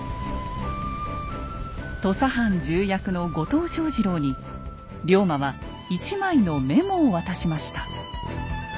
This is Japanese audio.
土佐藩重役の後藤象二郎に龍馬は一枚のメモを渡しました。